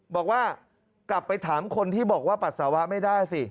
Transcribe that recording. บอกว่ากลับไปถามคนที่บอกว่าปัสสาวะไม่ได้สิ